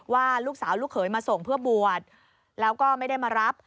ว่าลูกสาวลูกเขยมาส่งเพื่อบวชแล้วก็ไม่ได้มารับ